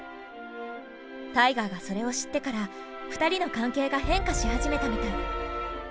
タイガーがそれを知ってから２人の関係が変化し始めたみたい。